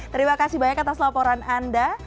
terima kasih banyak atas laporan anda